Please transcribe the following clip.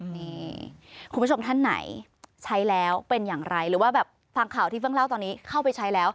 นี่คุณผู้ชมท่านไหนใช้แล้วเป็นอย่างไรหรือว่าแบบฟังข่าวที่เพิ่งเล่าตอนนี้เข้าไปใช้แล้ว